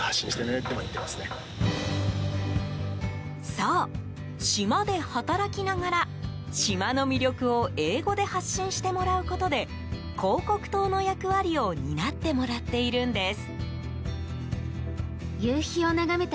そう、島で働きながら島の魅力を英語で発信してもらうことで広告塔の役割を担ってもらっているんです。